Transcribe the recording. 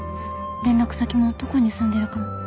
連絡先もどこに住んでるかも